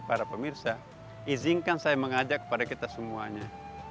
para pemirsa izinkan saya mengajak kepada kita semuanya